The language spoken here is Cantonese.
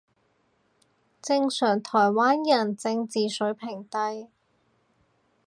正常台灣人正字水平低